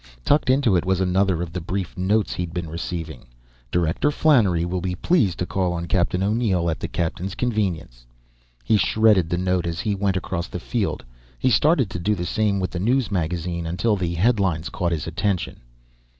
Tucked into it was another of the brief notes he'd been receiving: "Director Flannery will be pleased to call on Captain O'Neill at the captain's convenience." He shredded the note as he went across the field; he started to do the same with the news magazine, until the headlines caught his attention.